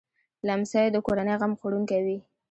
لمسی د کورنۍ غم خوړونکی وي.